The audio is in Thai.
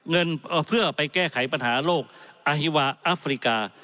เกี่ยวไปแก้ไขปัญหาโรคอธิวาธิแฟรกา